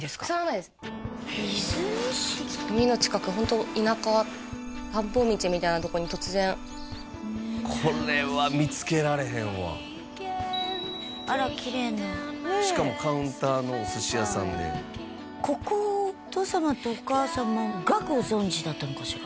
いすみ市海の近くホント田舎田んぼ道みたいなとこに突然これは見つけられへんわあらきれいなしかもカウンターのお寿司屋さんでここをお父様とお母様がご存じだったのかしら？